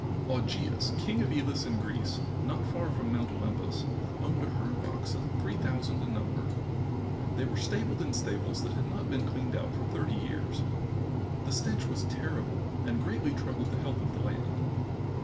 Augeas, King of Elis, in Greece, not far from Mount Olympus, owned a herd of oxen 3,000 in number. They were stabled in stables that had not been cleaned out for thirty years. The stench was terrible and greatly troubled the health of the land.